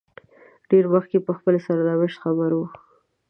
ډېر مخکې په خپل سرنوشت خبر وو.